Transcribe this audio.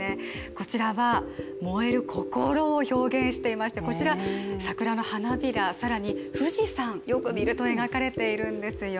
こちらは、燃える心を表現していまして桜の花びら更に富士山、よく見ると描かれているんですよ。